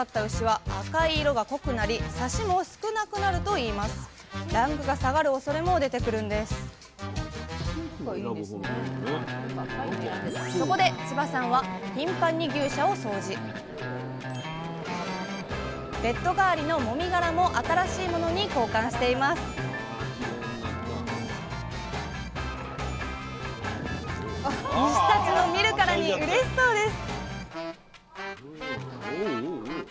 牛たちも見るからにうれしそうです